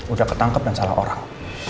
udah ketangkep dan salah orang